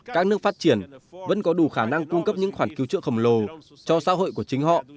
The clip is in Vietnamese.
các nước phát triển vẫn có đủ khả năng cung cấp những khoản cứu trợ khổng lồ cho xã hội của chính họ